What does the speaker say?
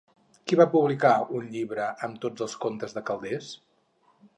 Qui va publicar un llibre amb tots els contes de Calders?